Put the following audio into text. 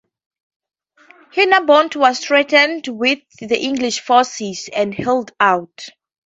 Hennebont was strengthened with the English forces and held out.